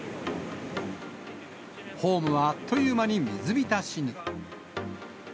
ホームはあっという間に水浸しに。